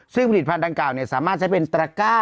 ซึ่งผลิตภัณฑ์กล่าสามารถใช้เป็นตระก้า